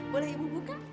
boleh ibu buka